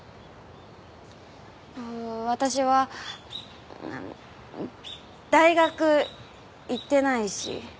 うん私は大学行ってないし。